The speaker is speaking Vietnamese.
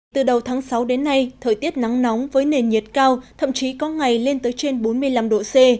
từ đầu tháng sáu đến nay thời tiết nắng nóng với nền nhiệt cao thậm chí có ngày lên tới trên bốn mươi năm độ c